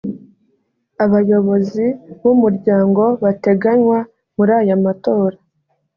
abayobozi b umuryango bateganywa muri aya matora